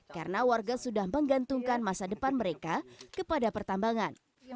karena warga sudah menggantungkan masa depan mereka kepada pertambangan